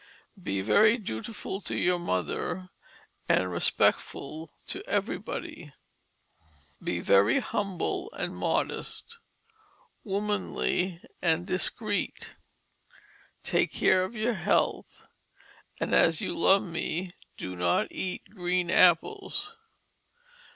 Be very dutiful to your Mother, and respectful to everybody. Be very humble and modest, womanly and discreet. Take care of your health and as you love me do not eat green apples.